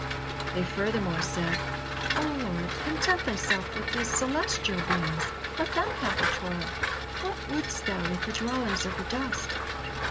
They furthermore said: "O Lord, content Thyself with the celestial beings, let them have the Torah, what wouldst Thou with the dwellers of the dust?"